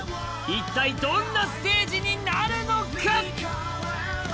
一体どんなステージになるのか。